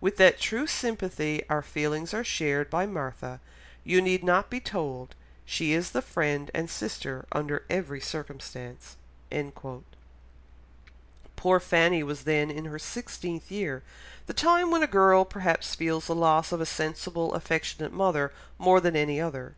"With what true sympathy our feelings are shared by Martha you need not be told; she is the friend and sister under every circumstance." Poor Fanny was then in her sixteenth year, the time when a girl perhaps feels the loss of a sensible, affectionate mother more than any other.